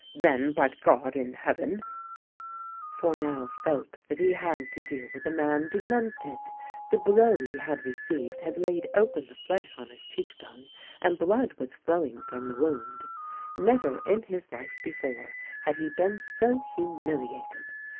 Then, by the God in Heaven !" Fournel felt that he had to deal with a man de mented. The blow he had received had laid open the flesh on his cheek bone and blood was flowing from the wound. Never in his life before had he been so humili ated.